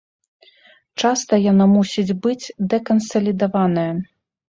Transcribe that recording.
Часта яна мусіць быць дэкансалідаваная.